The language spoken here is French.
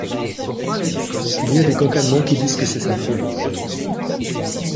Y a des cancannants qui disent que c’est sa fille.